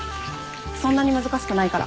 そんなに難しくないから。